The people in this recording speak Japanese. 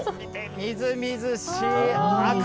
みずみずしい赤。